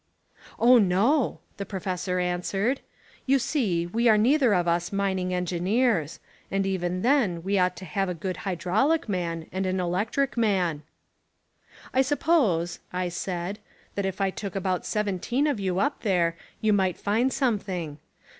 "Oh, no," the professor an swered, "you see we are neither of us mining engineers; and even then we ought to have a good hydrauHc man and an electric man." "I suppose," I said, "that if I took about seven teen of you up there you might find something.